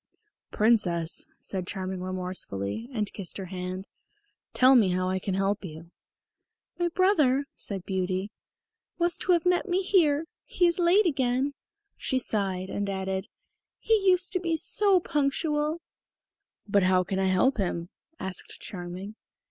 "Princess," said Charming remorsefully, and kissed her hand, "tell me how I can help you." "My brother," said Beauty, "was to have met me here. He is late again." She sighed and added, "He used to be so punctual." "But how can I help him?" asked Charming.